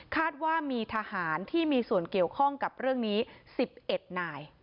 ว่ามีทหารที่มีส่วนเกี่ยวข้องกับเรื่องนี้๑๑นาย